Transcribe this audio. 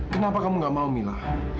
kenapa kamu enggak mau mila